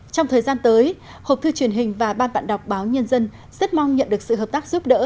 trong thời gian tới hộp thư truyền hình và ban bạn đọc báo nhân dân rất mong nhận được sự hợp tác giúp đỡ